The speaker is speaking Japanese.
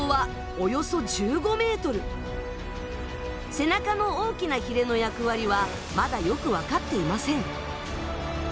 背中の大きなヒレの役割はまだよく分かっていません。